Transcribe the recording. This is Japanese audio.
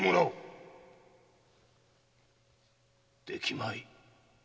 できまい。